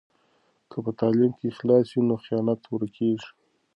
که په تعلیم کې اخلاص وي نو خیانت ورکېږي.